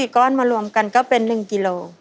ก้อนมารวมกันก็เป็น๑กิโล